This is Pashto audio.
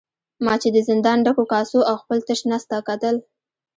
ما چې د زندان ډکو کاسو او خپل تش نس ته کتل.